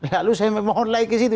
lalu saya memohon lagi ke situ